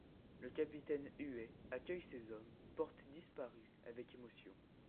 Le capitaine Huet accueille ces hommes, portés disparus, avec émotion.